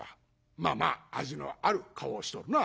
「まあまあ味のある顔をしとるな」。